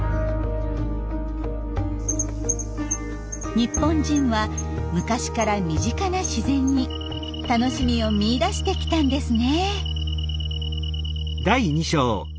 日本人は昔から身近な自然に楽しみを見いだしてきたんですね。